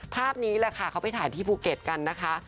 ภาพนี้แหละค่ะเขาไปถ่ายที่ภูเก็ตกันนะคะ